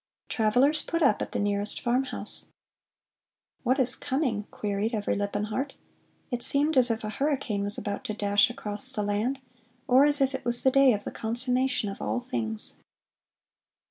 Travelers put up at the nearest farmhouse. 'What is coming?' queried every lip and heart. It seemed as if a hurricane was about to dash across the land, or as if it was the day of the consummation of all things.